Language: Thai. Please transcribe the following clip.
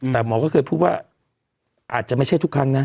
แต่หมอก็เคยพูดว่าอาจจะไม่ใช่ทุกครั้งนะ